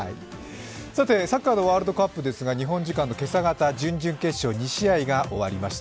さて、サッカーのワールドカップですが日本時間の今朝方、準々決勝２試合が終わりました。